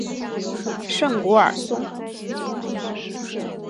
圣古尔松。